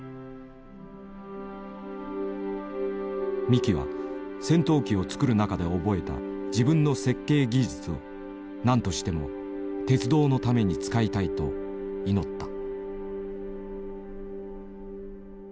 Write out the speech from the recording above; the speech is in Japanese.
三木は戦闘機を造る中で覚えた自分の設計技術を何としても鉄道のために使いたいと祈った。